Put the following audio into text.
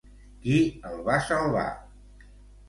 Qui el va salvar?